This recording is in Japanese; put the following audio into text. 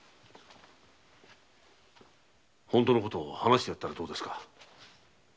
本当のことを話してやったらどうですか。